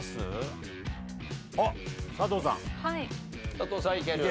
佐藤さんいける？